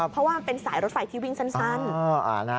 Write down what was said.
เพราะว่ามันเป็นสายรถไฟที่วิ่งสั้น